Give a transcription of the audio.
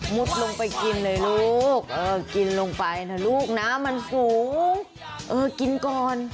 ลงไปกินเลยลูกกินลงไปนะลูกน้ำมันสูงเออกินก่อน